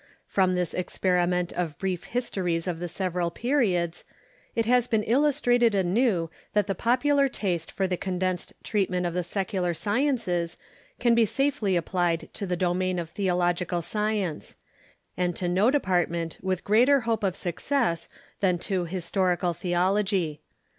From this experiment of brief histo ries of the several periods, it has been illustrated anew that the popular taste for the condensed treatment of the secular sciences can be safely applied to the domain of Theological Science, and to no department with greater hope of success than to Historical Theology.